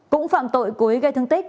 cũng phạm tội cố ý gây thương tích